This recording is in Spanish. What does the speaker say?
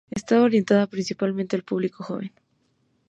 Estaba orientada principalmente al público joven.